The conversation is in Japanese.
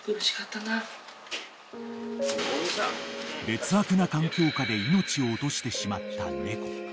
［劣悪な環境下で命を落としてしまった猫］